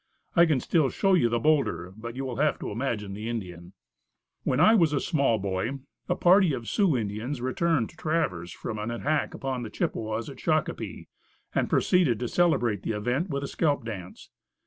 I can still show you the boulder, but you will have to imagine the Indian. When I was a small boy, a party of Sioux Indians returned to Traverse from an attack upon the Chippewas at Shakopee, and proceeded to celebrate the event with a scalp dance.